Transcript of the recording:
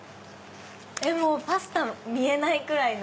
パスタ見えないぐらいの。